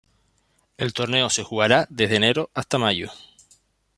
El torneo se jugará desde enero hasta mayo.